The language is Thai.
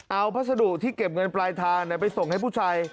เอาพัสดุที่เก็บเงินปลายทางไปส่งให้ผู้ชาย